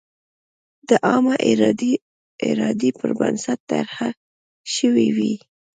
د عامه ارادې پر بنسټ طرحه شوې وي.